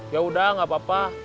ya udah gak apa apa